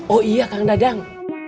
oh iya kang dadang